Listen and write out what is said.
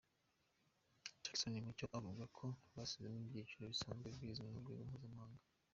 Jackson Mucyo avuga ko basizemo ibyiciro bisanzwe bizwi ku rwego mpuzamahanga.